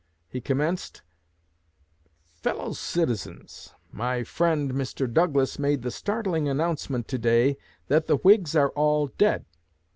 He commenced, 'Fellow citizens: My friend, Mr. Douglas, made the startling announcement to day that the Whigs are all dead.